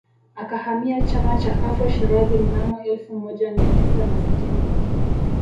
Akahamia Chama cha Afro Shirazi mnamo elfu moja mia tisa na sitini